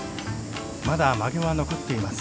まだまげは残っています。